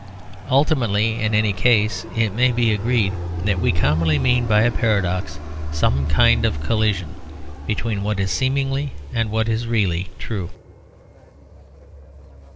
Ultimately, in any case, it may be agreed that we commonly mean by a paradox some kind of collision between what is seemingly and what is really true.